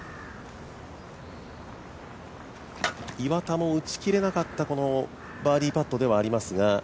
岩田も打ち切れなかったバーディーパットではありますが。